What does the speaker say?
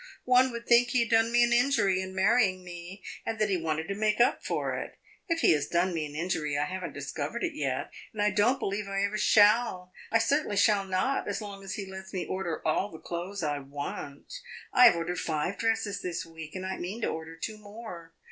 One would think he had done me an injury in marrying me, and that he wanted to make up for it. If he has done me an injury I have n't discovered it yet, and I don't believe I ever shall. I certainly shall not as long as he lets me order all the clothes I want. I have ordered five dresses this week, and I mean to order two more.